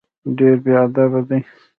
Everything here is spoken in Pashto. ډېر بېادبه دی.